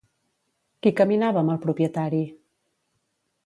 Qui caminava amb el propietari?